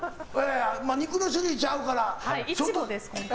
肉の種類ちゃうからな。